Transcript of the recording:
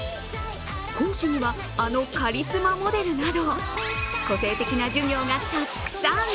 講師には、あのカリスマモデルなど個性的な授業がたくさん。